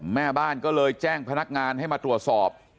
แม่บ้านก็เลยแจ้งพนักงานให้มาตรวจสอบ